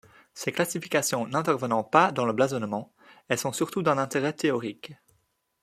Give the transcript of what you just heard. Ces classifications n'intervenant pas dans le blasonnement, elles sont surtout d'un intérêt théorique.